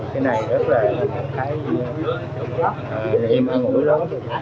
cái này rất là em thấy em ăn uống lớn